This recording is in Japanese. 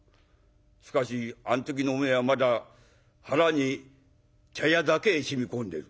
しかしあん時のおめえはまだ腹に茶屋酒染み込んでる。